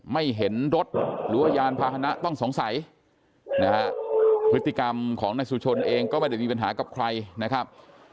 ไม่เห็นรถหรือว่ายานพาหนะต้องสงสัยนะฮะพฤติกรรมของนายสุชนเองก็ไม่ได้มีปัญหากับใครนะครับ